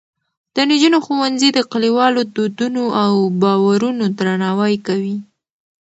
د نجونو ښوونځي د کلیوالو دودونو او باورونو درناوی کوي.